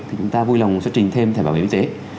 thì chúng ta vui lòng xuất trình thêm thẻ bảo hiểm y tế